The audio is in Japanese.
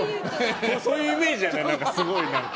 そういうイメージ、すごい。